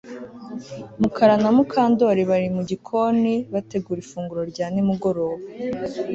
Mukara na Mukandoli bari mu gikoni bategura ifunguro rya nimugoroba